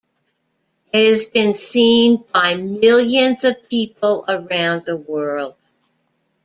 It has been seen by millions of people around the world.